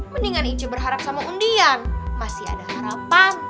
mendingan icu berharap sama undian masih ada harapan